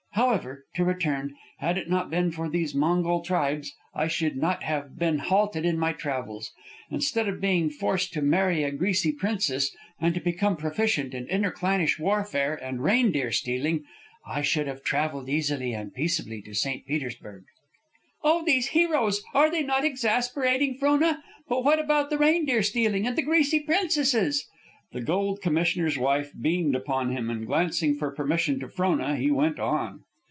However, to return, had it not been for these Mongol tribes, I should not have been halted in my travels. Instead of being forced to marry a greasy princess, and to become proficient in interclannish warfare and reindeer stealing, I should have travelled easily and peaceably to St. Petersburg." "Oh, these heroes! Are they not exasperating, Frona? But what about the reindeer stealing and the greasy princesses?" The Gold Commissioner's wife beamed upon him, and glancing for permission to Frona, he went on.